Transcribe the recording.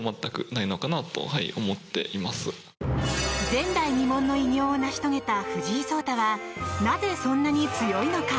前代未聞の偉業を成し遂げた藤井聡太はなぜそんなに強いのか。